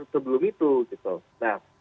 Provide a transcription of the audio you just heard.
sebelum itu gitu nah